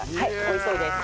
美味しそうです。